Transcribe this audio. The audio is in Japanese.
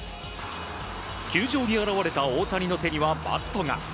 球場に現れた大谷の手にはバットが。